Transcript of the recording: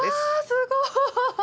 すごい！